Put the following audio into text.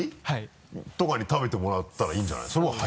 はい。とかに食べてもらったらいいんじゃないの？